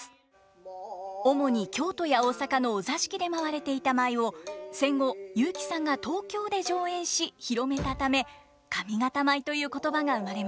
主に京都や大阪のお座敷で舞われていた舞を戦後雄輝さんが東京で上演し広めたため上方舞という言葉が生まれました。